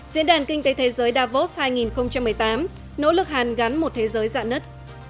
diễn đàn kinh tế thế giới davos hai nghìn một mươi tám nỗ lực hàn gắn một thế giới dạ nứt